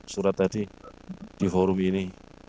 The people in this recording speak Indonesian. surat tadi di forum ini